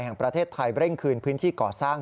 แห่งประเทศไทยเร่งคืนพื้นที่ก่อสร้าง